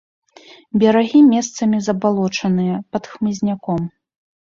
Берагі месцамі забалочаныя, пад хмызняком.